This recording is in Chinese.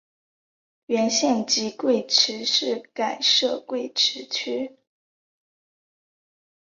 原县级贵池市改设贵池区。